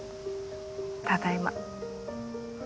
ただいま。